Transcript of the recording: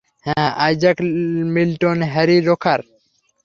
হ্যাঁ Isaac Milton, Harry রোকার।